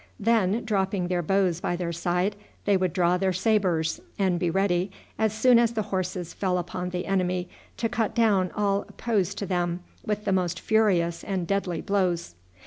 Then, dropping their bows by their side, they would draw their sabres, and be ready, as soon as the horses fell upon the enemy, to cut down all opposed to them with the most furious and deadly blows.